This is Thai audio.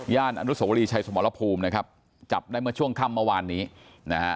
อนุสวรีชัยสมรภูมินะครับจับได้เมื่อช่วงค่ำเมื่อวานนี้นะฮะ